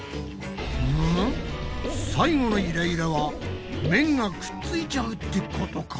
むむ最後のイライラは麺がくっついちゃうってことか。